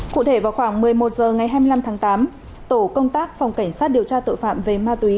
cụ thể vào khoảng một mươi một h ngày hai mươi năm tháng tám tổ công tác phòng cảnh sát điều tra tội phạm về ma túy